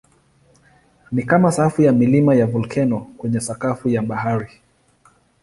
Ni kama safu ya milima ya volkeno kwenye sakafu ya bahari.